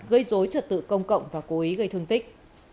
gây dối trật tự công cộng và cố ý gây thương tích